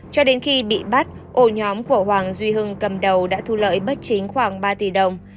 cho đến khi bị bắt ổ nhóm của hoàng duy hưng cầm đầu đã thu lợi bất chính khoảng ba tỷ đồng